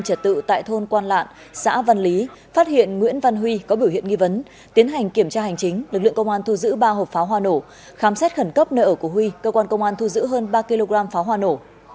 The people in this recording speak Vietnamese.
sau khi phát hiện nguyễn văn huy có biểu hiện nghi vấn tiến hành kiểm tra hành chính lực lượng công an thu giữ ba hộp pháo hoa nổ khám xét khẩn cấp nợ của huy cơ quan công an thu giữ hơn ba kg pháo hoa nổ